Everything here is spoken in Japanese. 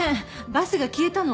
バスが消えたの！